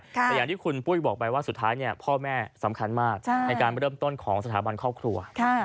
แต่อย่างที่คุณปุ้ยบอกไปว่าสุดท้ายพ่อแม่สำคัญมากในการเริ่มต้นของสถาบันครอบครัว